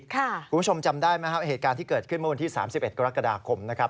คุณผู้ชมจำได้ไหมครับเหตุการณ์ที่เกิดขึ้นเมื่อวันที่๓๑กรกฎาคมนะครับ